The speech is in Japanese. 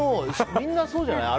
みんなそうじゃない？